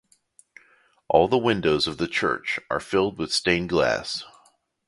All the windows of the church are filled with stained glass.